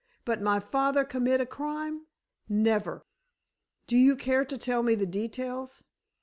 But my father commit a crime? Never!" "Do you care to tell me the details?"